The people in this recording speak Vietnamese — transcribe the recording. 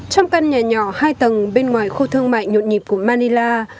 trong căn nhà nhỏ hai tầng bên ngoài khu thương mại nhộn nhịp của manila